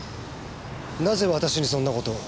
なぜ私にそんなことを？